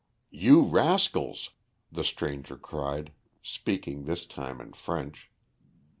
"You rascals," the stranger cried, speaking this time in French.